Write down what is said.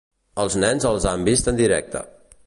Els nens els han vist en directe.